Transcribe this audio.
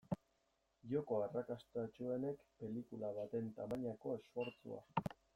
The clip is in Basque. Joko arrakastatsuenek pelikula baten tamainako esfortzua.